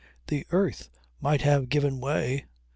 The earth might have given way.